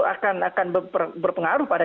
akan berpengaruh pada